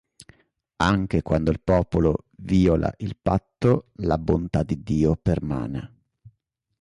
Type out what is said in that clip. Anche quando il popolo viola il patto, la bontà di Dio permane.